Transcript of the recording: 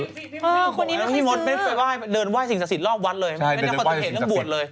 น้องพี่มนต์ไปเดินไหว้สิ่งศักดิ์สิทธิ์รอบวันเลยไม่ค่อยจะเห็นเรื่องบวชเลย